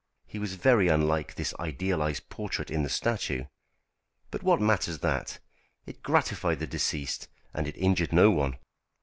He was very unlike his idealised portrait in the statue; but what matters that? It gratified the deceased, and it injured no one.